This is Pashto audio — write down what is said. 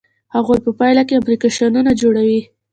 هغوی په پایله کې اپلیکیشنونه جوړوي.